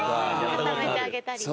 固めてあげたり。